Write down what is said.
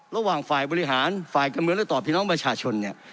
ระหว่างฝ่ายบริหารฝ่ายการเมืองและต่อพี่น้องประชาชนเนี่ย